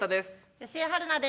吉江晴菜です。